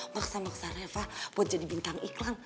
maksa maksa reva buat jadi bintang iklan